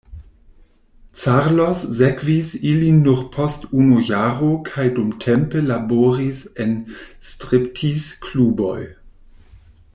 Carlos sekvis ilin nur post unu jaro kaj dumtempe laboris en striptiz-kluboj.